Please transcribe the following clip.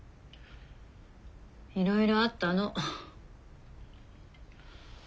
いろいろあったの。